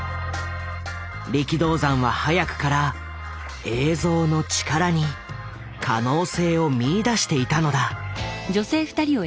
力道山は早くから「映像」の力に可能性を見いだしていたのだ。